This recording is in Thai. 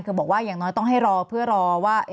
คือบอกว่าอย่างน้อยต้องให้รอเพื่อรอว่า